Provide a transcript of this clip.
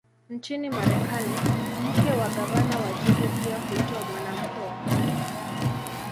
Nchini Marekani, mke wa gavana wa jimbo pia huitwa "Mwanamke wa Kwanza".